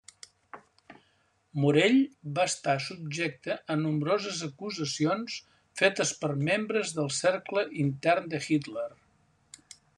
Morell va estar subjecte a nombroses acusacions fetes per membres del cercle intern de Hitler.